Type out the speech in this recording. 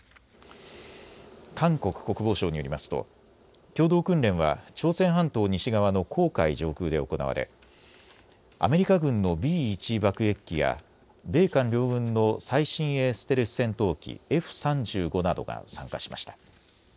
韓国国防省によりますと共同訓練は朝鮮半島西側の黄海上空で行われアメリカ軍のＢ１爆撃機や米韓両軍の最新鋭ステルス戦闘機Ｆ３５などが参加しました。